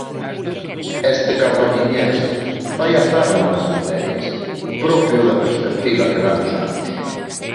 Este carballiñés vai á cerna das materias, propio da perspectiva que dan os anos.